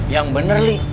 yang bener li